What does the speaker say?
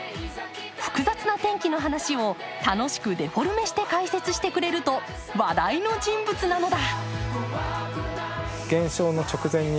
複雑な天気の話を楽しくデフォルメして解説してくれると話題の人物なのだ。